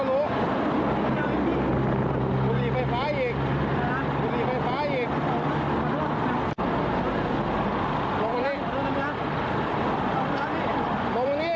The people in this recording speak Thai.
ลงมานี่